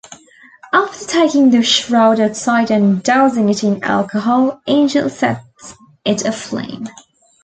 After taking the shroud outside and dousing it in alcohol, Angel sets it aflame.